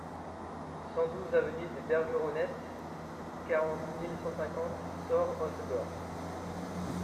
cent douze avenue des Bergeronnettes, quarante mille cent cinquante Soorts-Hossegor